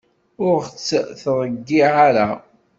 Ur ɣ-tt-ttreyyiɛ ara.